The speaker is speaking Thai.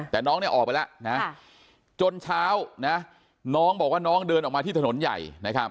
แต่น้องเนี่ยออกไปแล้วนะจนเช้านะน้องบอกว่าน้องเดินออกมาที่ถนนใหญ่